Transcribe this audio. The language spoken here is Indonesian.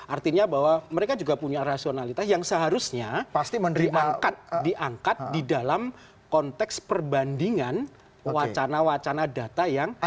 artinya bahwa mereka juga punya rasionalitas yang seharusnya diangkat di dalam konteks perbandingan wacana wacana data yang ada